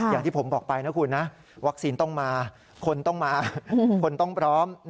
อย่างที่ผมบอกไปนะคุณนะวัคซีนต้องมาคนต้องมาคนต้องพร้อม